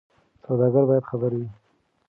سوداګر باید خبر وي.